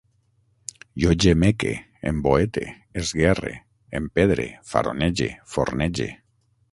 Jo gemeque, emboete, esguerre, empedre, faronege, fornege